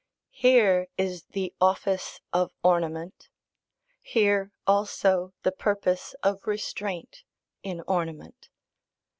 Here is the office of ornament: here also the purpose of restraint in ornament.